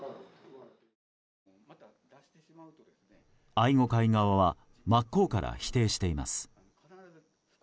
愛護会側は真っ向から否定しています。